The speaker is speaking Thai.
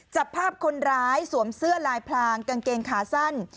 จับภาพคนร้ายสวมเสื้อลายพลางกางเกงขาสั้น